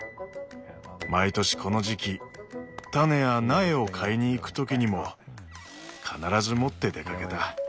毎年この時期種や苗を買いにいく時にも必ず持って出かけた。